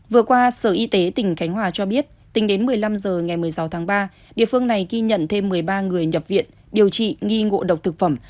vừa qua sở y tế tỉnh khánh hòa cho biết tính đến một mươi năm h ngày một mươi sáu tháng ba địa phương này ghi nhận thêm một mươi ba người nhập viện điều trị nghi ngộ độc thực phẩm